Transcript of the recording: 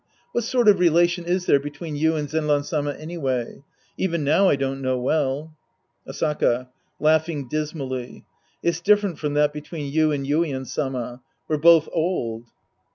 What sort of relation is there between you and Zenran Sama anyway. Even now I don't know well. Asaka {laughing dismally). It's different from that between you and Yuien Sama. We're both old.